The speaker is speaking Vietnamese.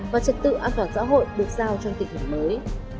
và trật tự an toàn xã hội được giao trong tình hình mới